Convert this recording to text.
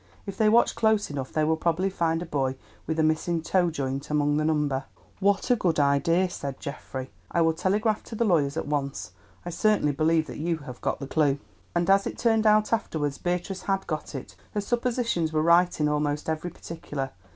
If they watch close enough, they will probably find a boy with a missing toe joint among the number." "What a good idea," said Geoffrey. "I will telegraph to the lawyers at once. I certainly believe that you have got the clue." And as it turned out afterwards Beatrice had got it; her suppositions were right in almost every particular.